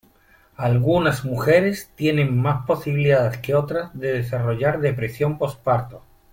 Algunas mujeres tienen más posibilidades que otras de desarrollar depresión posparto.